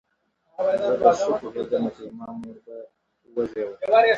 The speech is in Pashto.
زۀ بۀ ښۀ پوهېدمه چې زما مور بۀ نهره وه